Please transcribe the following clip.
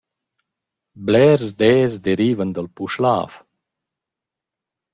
Blers d’els derivan dal Puschlav.